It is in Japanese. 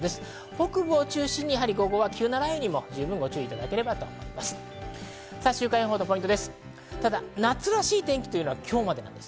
北部を中心に急な雷雨にご注意いただければと思います。